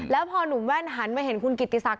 แล้วพอหนุ่มแว่นหันมาเห็นคุณกิติศักดิ